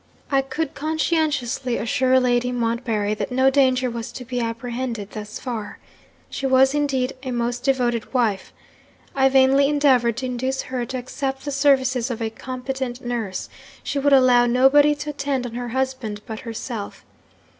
I could conscientiously assure Lady Montbarry that no danger was to be apprehended thus far. She was indeed a most devoted wife. I vainly endeavoured to induce her to accept the services of a competent nurse; she would allow nobody to attend on her husband but herself.